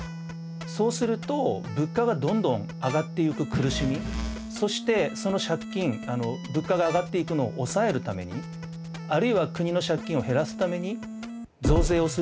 そうすると物価がどんどん上がっていく苦しみそしてその借金物価が上がっていくのを抑えるためにあるいは国の借金を減らすために増税をするという。